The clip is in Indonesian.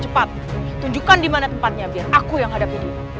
cepat tunjukkan dimana tempatnya biar aku yang hadapi dia